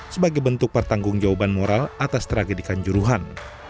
sebagai bentuk pertanggungjawaban moral atas tragedikan juruhan